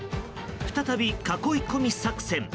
再び囲い込み作戦。